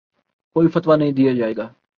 کوئی فتویٰ نہیں دیا جائے گا